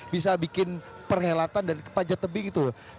bisa bikin perhelatan dan panjat tebing gitu loh